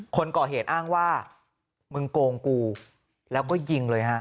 คนก่อเหตุอ้างว่ามึงโกงกูแล้วก็ยิงเลยฮะ